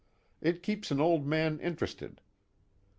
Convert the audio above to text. It keeps an old man interested.